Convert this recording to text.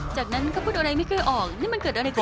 จากนั้นก็พูดอะไรไม่ค่อยออกนี่มันเกิดอะไรขึ้น